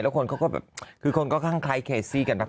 แล้วคนเขาก็แบบคือคนค่อนข้างใครสิกันมาก